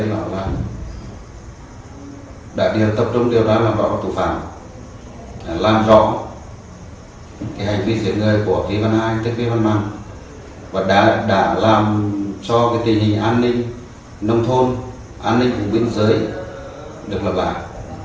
làm cho tình hình an ninh nông thôn an ninh của vĩnh giới được lập lại